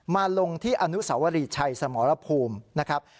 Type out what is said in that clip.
มาลงที่อนุสวรีชัยสมรภูมินะครับ